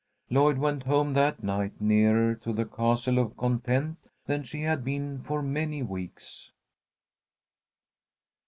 Lloyd went home that night nearer to the Castle of Content than she had been for many weeks.